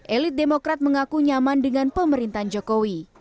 elit demokrat mengaku nyaman dengan pemerintahan jokowi